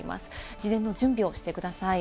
事前の準備をしてください。